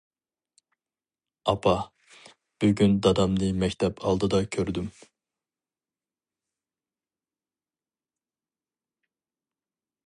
-ئاپا. بۈگۈن دادامنى مەكتەپ ئالدىدا كۆردۈم.